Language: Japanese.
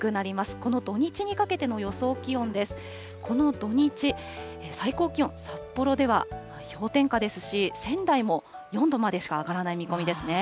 この土日、最高気温、札幌では氷点下ですし、仙台も４度までしか上がらない見込みですね。